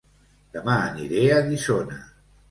Dema aniré a Guissona